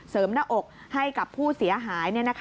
หน้าอกให้กับผู้เสียหาย